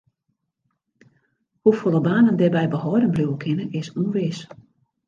Hoefolle banen dêrby behâlden bliuwe kinne is ûnwis.